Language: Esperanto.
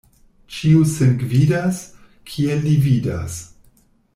Ĉiu sin gvidas, kiel li vidas.